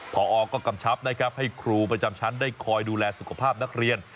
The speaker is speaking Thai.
พอก็กำชับนะครับให้ครูประจำชั้นได้คอยดูแลสุขภาพนักเรียน